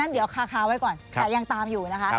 เดี๋ยวค่อยนัด